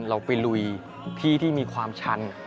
เราไปลุยที่ที่มีความชัน